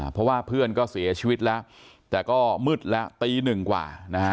เพราะว่าเพื่อนก็เสียชีวิตแล้วแต่ก็มืดแล้วตีหนึ่งกว่านะฮะ